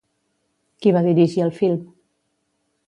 Qui va dirigir el film?